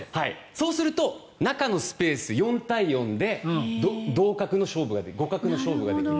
そうすると中のスペース４対４で同格の勝負互角の勝負ができる。